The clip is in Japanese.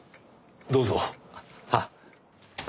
どうぞ。